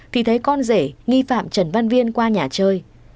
vì thấy con rể nghi phạm trần văn viên qua nhà chơi